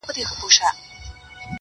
هغه چنار ته د مرغیو ځالګۍ نه راځي!.